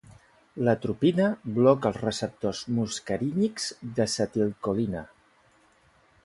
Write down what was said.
L'atropina bloca els receptors muscarínics d'acetilcolina.